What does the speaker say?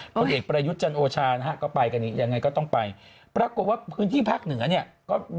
คนเอกประยุจนโอบชานะฮะก็ไปก็ต้องไปปรากฎว่าพื้นที่ภาคเหนือก็